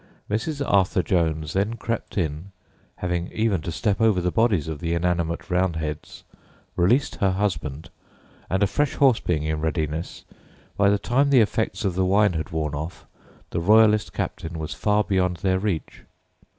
Mrs. Arthur Jones then crept in, having even to step over the bodies of the inanimate Roundheads, released her husband, and a fresh horse being in readiness, by the time the effects of the wine had worn off the Royalist captain was far beyond their reach.